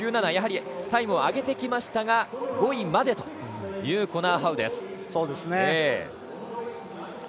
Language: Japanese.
やはりタイムを上げてきましたが５位までというコナー・ハウです。